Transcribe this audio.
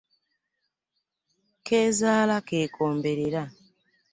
Keezaala k'ekomberera.